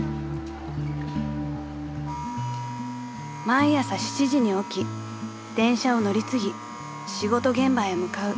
［毎朝７時に起き電車を乗り継ぎ仕事現場へ向かう］